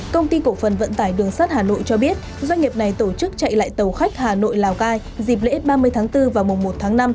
công ty cổ phần vận tải đường sắt hà nội cho biết doanh nghiệp này tổ chức chạy lại tàu khách hà nội lào cai dịp lễ ba mươi tháng bốn và mùa một tháng năm